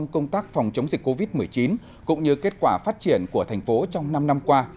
công tác phòng chống dịch covid một mươi chín cũng như kết quả phát triển của thành phố trong năm năm qua